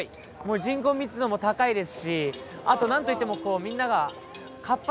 人口密度も高いですしあとなんといってもみんなが活発です。